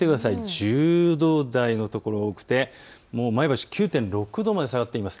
１０度台のところが多くて前橋は９．６度まで下がっています。